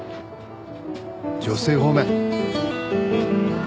女性方面。